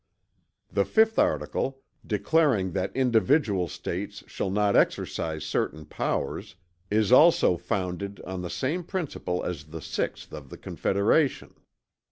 "The 5th article, declaring that individual States shall not exercise certain powers, is also founded on the same principle as the 6th of the confederation.